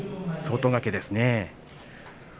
外掛けですね。